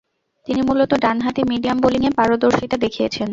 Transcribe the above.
তিনি মূলতঃ ডানহাতি মিডিয়াম বোলিংয়ে পারদর্শিতা দেখিয়েছেন।